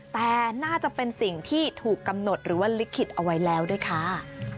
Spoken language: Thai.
แต่น่าจะเป็นสิ่งที่ถูกกำหนดหรือว่าลิขิตเอาไว้แล้วด้วยค่ะ